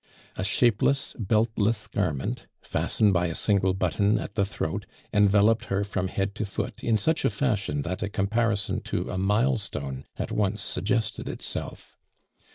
A shapeless, beltless garment, fastened by a single button at the throat, enveloped her from head to foot in such a fashion that a comparison to a milestone at once suggested itself.